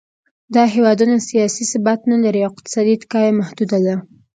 دا هېوادونه سیاسي ثبات نهلري او اقتصادي اتکا یې محدوده ده.